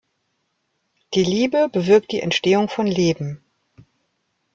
Die Liebe bewirkt die Entstehung von Leben.